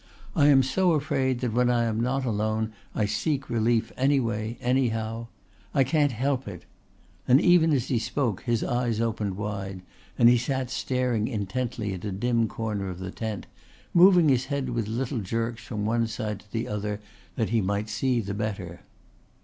I am so afraid that when I am not alone I seek relief any way, any how. I can't help it." And even as he spoke his eyes opened wide and he sat staring intently at a dim corner of the tent, moving his head with little jerks from one side to the other that he might see the better.